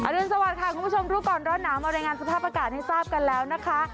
รุนสวัสดิค่ะคุณผู้ชมรู้ก่อนร้อนหนาวมารายงานสภาพอากาศให้ทราบกันแล้วนะคะ